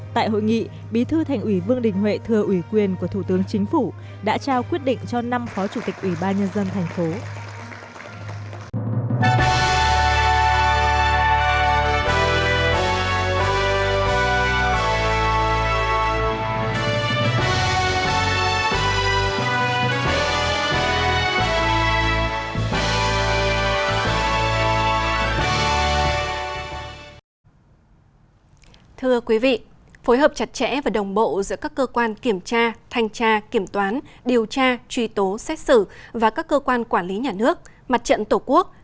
tại hội nghị bí thư thành ủy vương đình huệ thừa ủy quyền của thủ tướng chính phủ đã trao quyết định cho năm phó chủ tịch ủy ban nhân dân tp